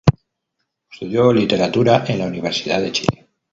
Estudió Literatura en la Universidad de Chile.